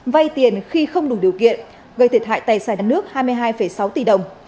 vay tiền khi không đủ điều kiện gây thiệt hại tài sản nước hai mươi hai sáu tỷ đồng